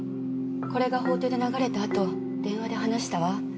これが法廷で流れた後電話で話したわ。